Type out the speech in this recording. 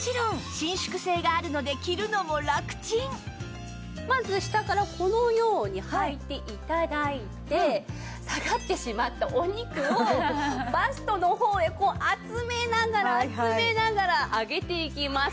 もちろんまず下からこのようにはいて頂いて下がってしまったお肉をバストの方へ集めながら集めながら上げていきます。